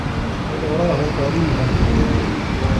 وَنَراهُ قَريبًا